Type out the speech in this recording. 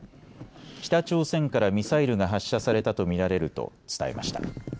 北朝鮮からミサイルが発射されたと見られると伝えました。